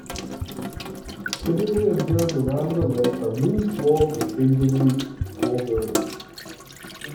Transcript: Typically observed around the lake are moose, wolves, and occasionally wolverines.